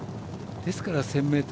ですから１０００ｍ